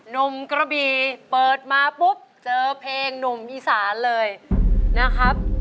หนุ่มกระบีเปิดมาปุ๊บเจอเพลงหนุ่มอีสานเลยนะครับ